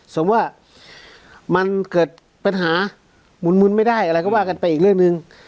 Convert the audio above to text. สมมุติว่ามันเกิดปัญหามุนไม่ได้อะไรก็ว่ากันไปอีกเรื่องหนึ่ง